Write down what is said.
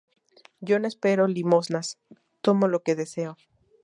Yo no espero limosnas, tomo lo que deseo.